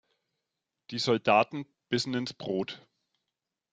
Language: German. Die Soldaten bissen ins Brot.